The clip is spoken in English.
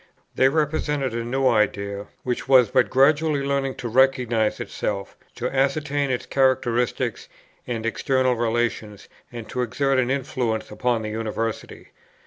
They represented a new idea, which was but gradually learning to recognize itself, to ascertain its characteristics and external relations, and to exert an influence upon the University.